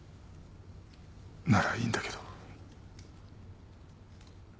ならいいんだけど。